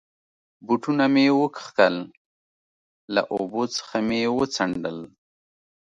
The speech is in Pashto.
بوټونه مې و کښل، له اوبو څخه مې و څنډل.